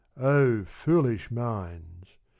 Oh foolish minds !